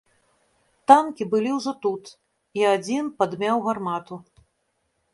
Танкі былі ўжо тут, і адзін падмяў гармату.